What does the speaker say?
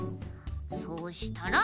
そうしたら。